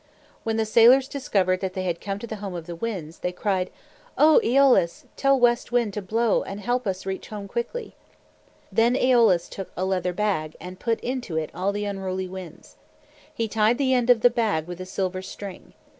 When the sailors discovered that they had come to the home of the Winds, they cried, "O Eolus! Tell West Wind to blow and help us reach home quickly:" Then Eolus took a leather bag and put into it all the unruly Winds. He tied the end of the bag with a silver string.